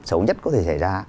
xấu nhất có thể xảy ra